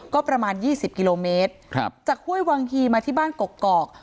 ก็ประมาณยี่สิบกิโลเมตรครับจากห้วยวังฮีมาที่บ้านเกาะเกาะ